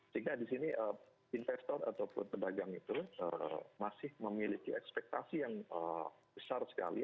sehingga di sini investor ataupun pedagang itu masih memiliki ekspektasi yang besar sekali